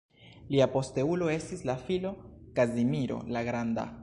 Lia posteulo estis la filo Kazimiro la Granda.